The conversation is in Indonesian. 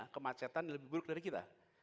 kemacetan lebih buruk dari kita